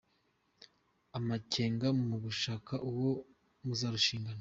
Amakenga mu gushaka uwo muzarushingana